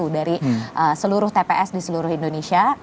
dari seluruh tps di seluruh indonesia